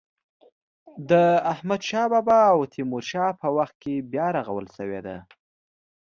د احمد شا بابا او تیمور شاه په وخت کې بیا رغول شوې ده.